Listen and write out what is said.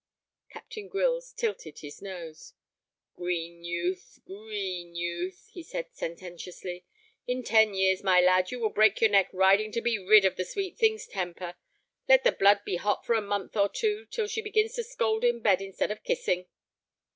Captain Grylls tilted his nose. "Green youth, green youth!" he said, sententiously. "In ten years, my lad, you will break your neck riding to be rid of the sweet thing's temper. Let the blood be hot for a month or two, till she begins to scold in bed instead of kissing."